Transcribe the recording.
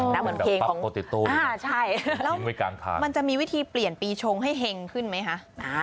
มันแบบปั๊บปกติตุ้นทิ้งไว้กลางทางใช่แล้วมันจะมีวิธีเปลี่ยนปีชงให้เห็งขึ้นไหมคะ